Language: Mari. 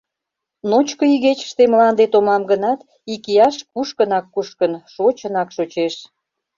Ночко игечыште мланде томам гынат, икияш кушкынак-кушкын, шочынак-шочеш.